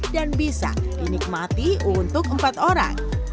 dan bisa dinikmati untuk empat orang